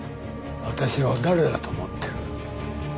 私を誰だと思ってる？